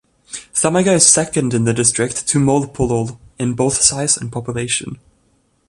Thamaga is second in the district to Molepolole in both size and population.